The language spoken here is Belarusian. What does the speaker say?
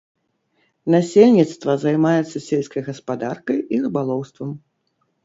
Насельніцтва займаецца сельскай гаспадаркай і рыбалоўствам.